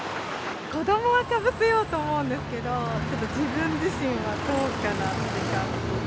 子どもはかぶせようと思うんですけれども、ちょっと自分自身はどうかなっていう感じ。